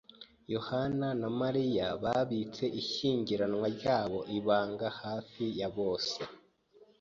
yohani na Mariya babitse ishyingiranwa ryabo ibanga hafi ya bose.